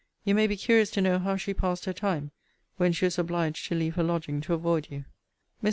You may be curious to know how she passed her time, when she was obliged to leave her lodging to avoid you. Mrs.